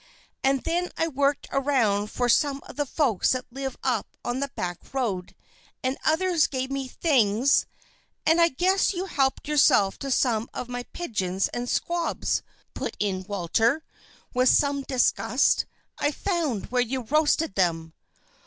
"And then I worked around for some of the folks that live up on the back road; and others gave me things " "And I guess you helped yourself to some of my pigeons and squabs," put in Walter, with some disgust. "I found where you roasted them."